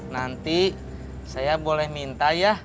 nanti saya boleh minta ya